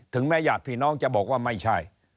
แม่ญาติพี่น้องจะบอกว่าไม่ใช่